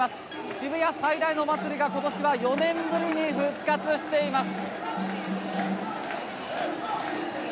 渋谷最大のお祭りが、今年は４年ぶりに復活しています。